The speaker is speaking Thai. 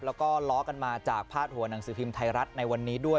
แล้วก็ล้อกันมาจากพาดหัวหนังสือพิมพ์ไทยรัฐในวันนี้ด้วย